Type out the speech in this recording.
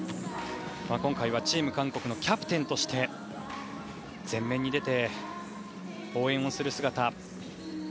今回はチーム韓国のキャプテンとして前面に出て応援をする姿がありました。